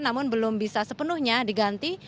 namun belum bisa sepenuhnya diganti